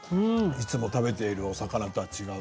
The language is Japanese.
いつも食べているお魚とは違う。